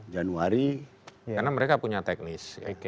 januari karena mereka punya teknis